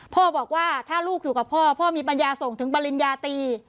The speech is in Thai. พ่อบอกว่าถ้าลูกอยู่กับพ่อพ่อมีปัญญาส่งถึงปริญญาตี